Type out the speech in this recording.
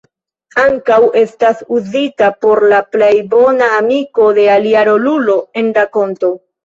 Ankaŭ estas uzita por la plej bona amiko de alia rolulo en rakonto.